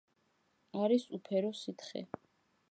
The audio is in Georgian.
არის უფერო სითხე.